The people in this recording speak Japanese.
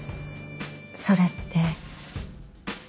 それって。